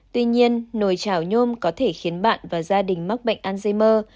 tuy nhiên nồi chảo nhôm có thể khiến bạn và gia đình mắc bệnh alzheimer